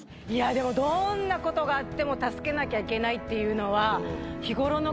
でもどんなことがあっても助けなきゃいけないっていうのは。